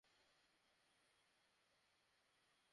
Well come to camp summer.